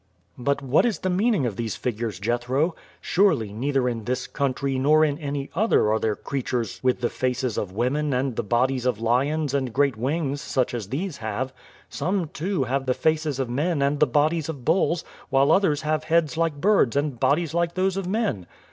"But what is the meaning of these figures, Jethro? Surely neither in this country nor in any other are there creatures with the faces of women and the bodies of lions and great wings such as these have. Some, too, have the faces of men and the bodies of bulls, while others have heads like birds and bodies like those of men."